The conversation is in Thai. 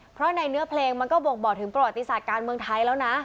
เพราะในเนื้อเพลงมันก็บ่งบอกถึงประวัติศาสตร์การเมืองไทยแล้วนะ